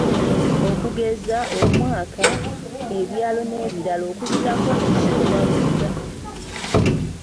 Okugeza; omwaka, ebyalo n’ebirala okuggyako mu kyewaggula.